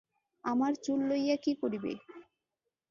আমার চুল লইয়া কী করিবে।